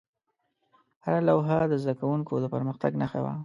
هره لوحه د زده کوونکو د پرمختګ نښه وه.